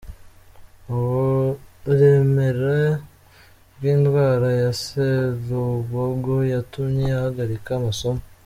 Uburemere bw’indwara ya Serubogo yatumye ahagarika amasomo.